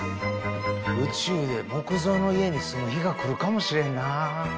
宇宙で木造の家に住む日がくるかもしれんな。